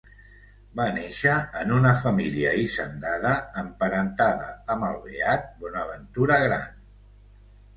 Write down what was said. Va néixer en una família hisendada emparentada amb el beat Bonaventura Gran.